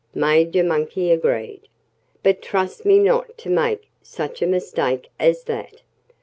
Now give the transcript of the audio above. Major Monkey agreed. "But trust me not to make such a mistake as that."